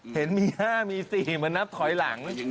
เห็นมี๕มี๔เหมือนนับถอยหลัง